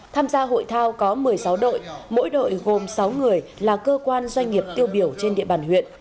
tham gia hội thao có một mươi sáu đội mỗi đội gồm sáu người là cơ quan doanh nghiệp tiêu biểu trên địa bàn huyện